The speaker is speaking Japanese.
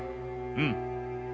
うん。